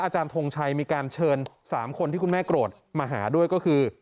ทงชัยมีการเชิญ๓คนที่คุณแม่โกรธมาหาด้วยก็คือ